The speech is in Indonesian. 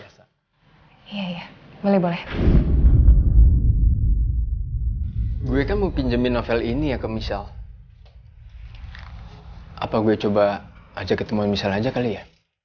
ajak ketemuan michelle aja kali ya